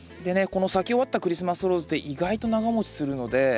この咲き終わったクリスマスローズって意外と長もちするので。